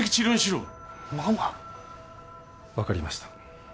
わかりました。